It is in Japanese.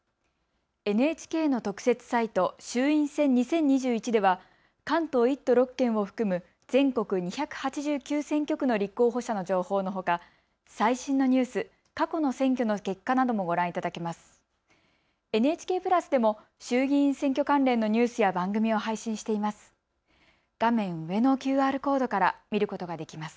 ＮＨＫの特設サイト衆院選２０２１では関東１都６県を含む全国２８９選挙区の立候補者の情報のほか最新のニュース、過去の選挙の結果などもご覧いただけます。